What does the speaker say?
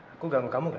aku ganggu kamu gak